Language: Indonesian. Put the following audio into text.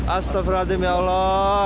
astagfirullahaladzim ya allah